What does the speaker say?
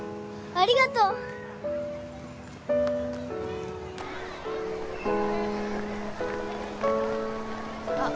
ありがとう。あっ。